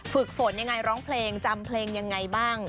ฝึกฝนยังไงร้องเพลงจำเพลงยังไงบ้าง